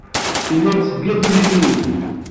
Yella yettseggir timliliyin.